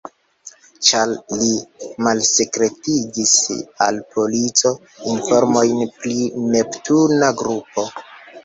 Ĉar li malsekretigis al polico informojn pri Neptuna grupo.